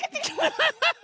ハハハハハ！